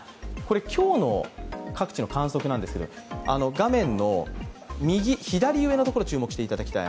今日の各地の観測なんですけど、画面の左上のところ注目していただきたい。